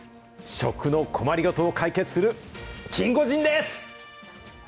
食の困りごとを解決するキンゴジンです！